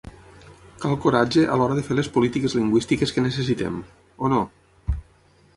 Cal coratge a l'hora de fer les polítiques lingüístiques que necessitem. O no?